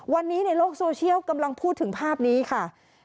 วันนี้ในโลกโซเชียลกำลังพูดถึงภาพนี้ค่ะ